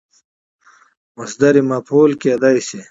مصدر مفعول کېدای سي.